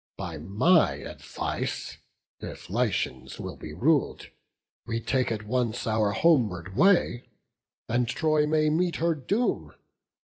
By my advice If Lycians will be rul'd, we take at once Our homeward way, and Troy may meet her doom.